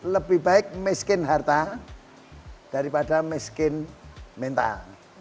lebih baik miskin harta daripada miskin mental